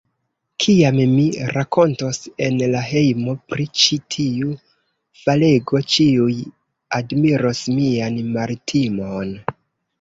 Kiam mi rakontos en la hejmo pri ĉi tiu falego, ĉiuj admiros mian maltimon.